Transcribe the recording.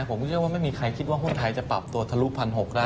ผมก็เชื่อว่าไม่มีใครคิดว่าหุ้นไทยจะปรับตัวทะลุ๑๖๐๐ได้